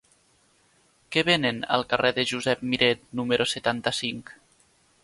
Què venen al carrer de Josep Miret número setanta-cinc?